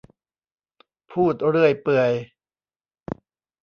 พูดเรื่อยเปื่อย